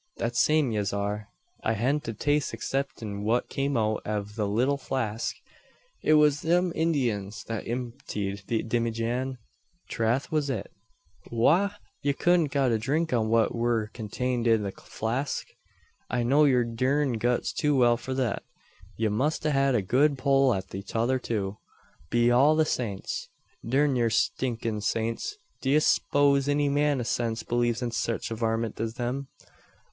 That same yez are. I hadn't a taste exciptin what came out av the little flask. It wus thim Indyins that imptied the dimmyjan. Trath was it." "Wagh! ye cudn't a got drunk on what wur contained i' the flask. I know yur durned guts too well for thet. Ye must a had a good pull at the tother, too." "Be all the saints " "Durn yur stinkin' saints! D'you s'pose any man o' sense believes in sech varmint as them?